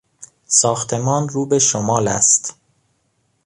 ساختمان رو به شمال است.